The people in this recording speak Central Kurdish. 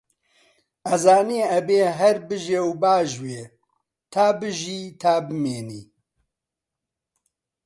ئەزانێ ئەبێ هەر بژێ و باژوێ، تا بژی تا بمێنێ